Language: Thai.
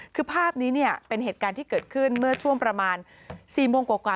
คือภาพนี้เนี่ยเป็นเหตุการณ์ที่เกิดขึ้นเมื่อช่วงประมาณ๔โมงกว่า